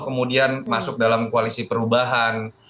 kemudian masuk dalam koalisi perubahan